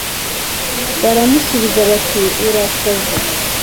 Baramusubiza bati Urasaze .